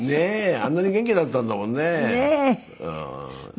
あんなに元気だったんだもんね。